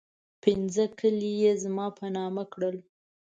پنځه کلي یې زما په نامه کړل.